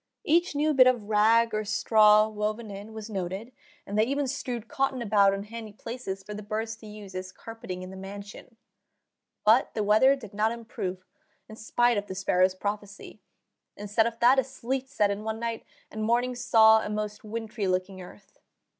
Each new bit of rag or straw woven in was noted, and they even strewed cotton about in handy places for the birds to use as "carpeting in the mansion." But the weather did not improve, in spite of the sparrow's prophecy; instead of that, a sleet set in one night, and morning saw a most wintry looking earth.